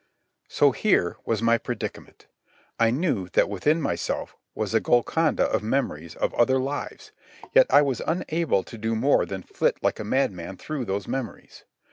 So here was my predicament: I knew that within myself was a Golconda of memories of other lives, yet I was unable to do more than flit like a madman through those memories.